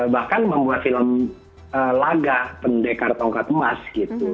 bahkan membuat film laga pendekar tongkat emas gitu